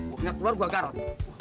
gue bilang keluar gue akan garot